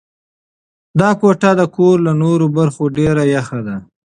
دا کوټه د کور له نورو برخو ډېره یخه ده.